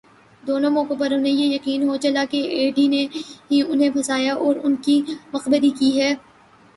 دونوں موقعوں پر انھیں یہ یقین ہو چلا کہ ایڈی نے ہی انھیں پھنسایا اور ان کی مخبری کی ہے۔